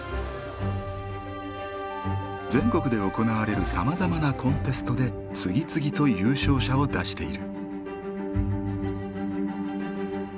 全国で行われるさまざまなコンテストで次々と優勝者を出している。